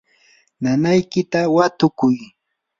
nanaykita watukuy.